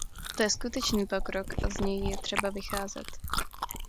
To je skutečný pokrok a z něj je třeba vycházet.